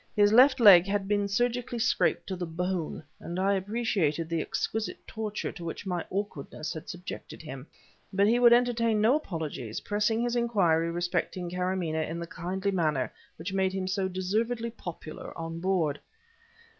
His left leg had been surgically scraped to the bone, and I appreciated the exquisite torture to which my awkwardness had subjected him. But he would entertain no apologies, pressing his inquiry respecting Karamaneh in the kindly manner which had made him so deservedly popular on board.